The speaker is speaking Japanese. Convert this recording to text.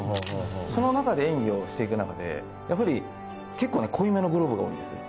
その中で演技をしていく中で結構、濃いめのグローブが多いんです。